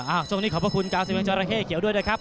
อ้าวช่วงนี้ขอบพระคุณ๙๐บาทจอรัคเฮ่เกี่ยวด้วยนะครับ